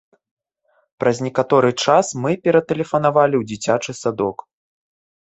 Праз некаторы час мы ператэлефанавалі ў дзіцячы садок.